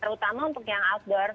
terutama untuk yang outdoor